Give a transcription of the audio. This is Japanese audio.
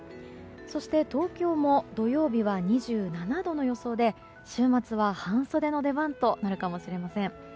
そして、東京も土曜日は２７度の予想で週末は半袖の出番となるかもしれません。